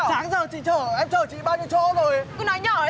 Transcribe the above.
sáng giờ em chở chị bao nhiêu chỗ rồi